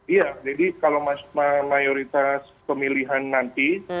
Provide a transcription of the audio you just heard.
iya jadi kalau mayoritas pemilihan nanti